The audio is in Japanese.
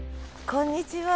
こんにちは。